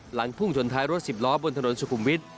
พุ่งชนท้ายรถสิบล้อบนถนนสุขุมวิทย